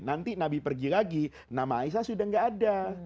nanti nabi pergi lagi nama aisyah sudah nggak ada